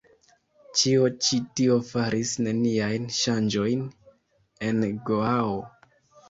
Ĉio ĉi tio faris neniajn ŝanĝojn en Goao.